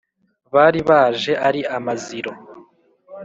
Bari baje ari amaziro